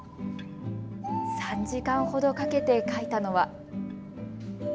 ３時間ほどかけて描いたのは。